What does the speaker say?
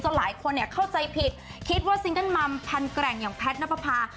ส่วนหลายคนเนี้ยเข้าใจผิดคิดว่าซิงเกิ้ลพันส์แกร่งอย่างแพทนัพพา